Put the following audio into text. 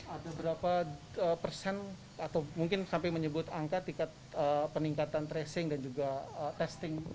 ada berapa persen atau mungkin sampai menyebut angka tingkat peningkatan tracing dan juga testing